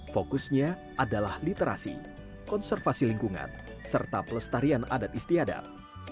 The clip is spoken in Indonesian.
fokusnya adalah literasi konservasi lingkungan serta pelestarian adat istiadat